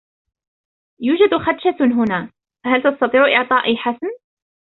يوجد خدشة هنا ، فهل تستطيع اعطائي حسم ؟